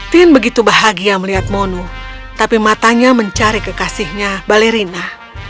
tin begitu bahagia melihat monu tapi matanya mencari kekasihnya balerina